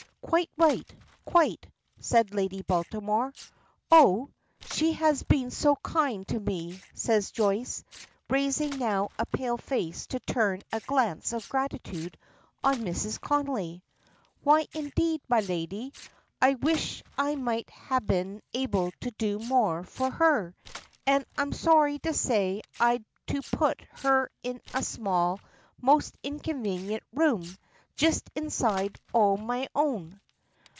"Quite right. Quite," says Lady Baltimore. "Oh! she has been so kind to me," says Joyce, raising now a pale face to turn a glance of gratitude on Mrs. Connolly. "Why, indeed, my lady, I wish I might ha' bin able to do more for her; an' I'm sorry to say I'd to put her up in a small, most inconvenient room, just inside o' me own."